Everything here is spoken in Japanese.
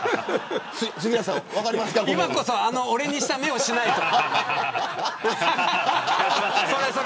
今こそ俺にした目をしないと。